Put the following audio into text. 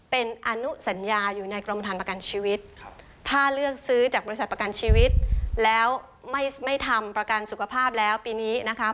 เป็นอนุสัญญาอยู่ในกรมฐานประกันชีวิตถ้าเลือกซื้อจากบริษัทประกันชีวิตแล้วไม่ทำประกันสุขภาพแล้วปีนี้นะคะ